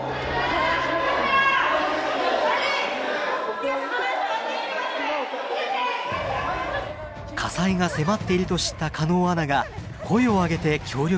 火災が迫っていると知った狩野アナが声を上げて協力を呼びかけ始めます。